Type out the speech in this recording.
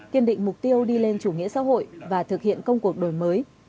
kiên định mục tiêu đi lên chủ nghĩa xã hội và thực hiện công cuộc đổi mới